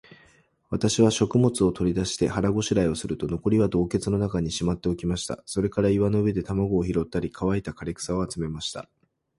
私は食物を取り出して、腹ごしらえをすると、残りは洞穴の中にしまっておきました。それから岩の上で卵を拾ったり、乾いた枯草を集めました。